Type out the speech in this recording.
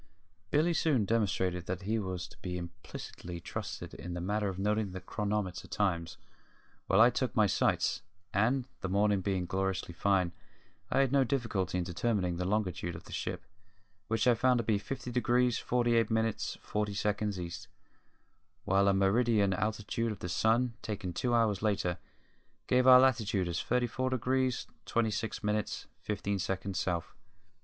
Billy soon demonstrated that he was to be implicitly trusted in the matter of noting the chronometer times while I took my sights, and, the morning being gloriously fine, I had no difficulty in determining the longitude of the ship, which I found to be 50 degrees 48 minutes 40 seconds East, while a meridian altitude of the sun, taken two hours later, gave our latitude as 34 degrees 26 minutes 15 seconds South.